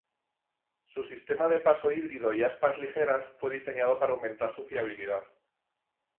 Su sistema de paso híbrido y aspas ligeras fue diseñado para aumentar su fiabilidad.